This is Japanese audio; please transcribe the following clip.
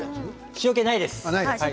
塩けはないです。